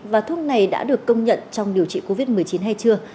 và thuốc này đã được công nhận trong điều trị covid một mươi chín hay chưa